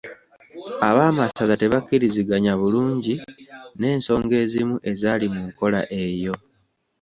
Ab'amasaza tebakkiriziganya bulungi n'ensonga ezimu ezaali mu nkola eyo.